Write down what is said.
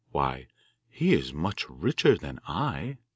'Why, he is much richer than I!